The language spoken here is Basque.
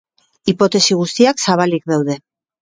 Hipotesi guztiak zabalik daude.